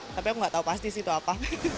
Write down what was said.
tapi aku gak tau pasti sih itu apa